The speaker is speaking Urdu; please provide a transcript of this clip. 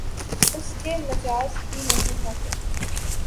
اس کے مجاز ہی نہیں ہوتے